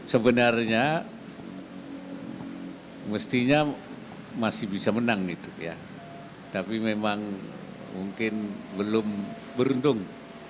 sebenarnya mestinya masih bisa menang gitu ya tapi memang mungkin belum beruntung